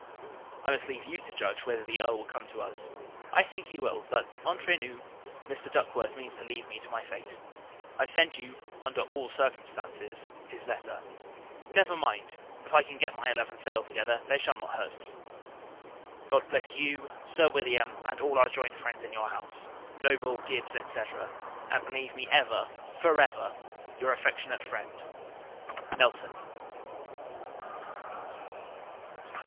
I must leave you to judge, whether the Earl will come to us. I think he will: but, entre nous, Mr. Duckworth means to leave me to my fate. I send you (under all circumstances) his letter. Never mind; if I can get my eleven sail together, they shall not hurt me. God bless you, Sir William, and all our joint friends in your house; Noble, Gibbs, &c. and believe me ever, for ever, your affectionate friend, NELSON.